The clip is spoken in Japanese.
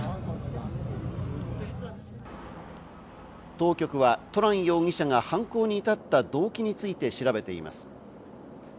当局はトラン容疑者が犯行に至った動機について調べています。